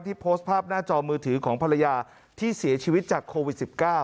โพสต์ภาพหน้าจอมือถือของภรรยาที่เสียชีวิตจากโควิด๑๙